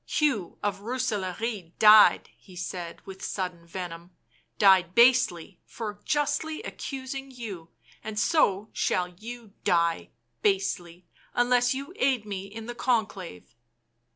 " Hugh of Rooselaare died," he said with sudden venom —" died basely for justly accusing you, and so shall you die — basely — unless you aid me in the Conclave."